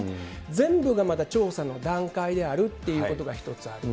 全部がまだ調査の段階であるっていうことが１つある。